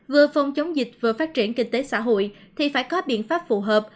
vừa phòng chống dịch vừa phát triển kinh tế xã hội thì phải có biện pháp phù hợp